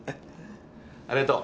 ありがとう。